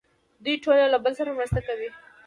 دوی ټول یو له بل سره مرسته او همکاري کوي.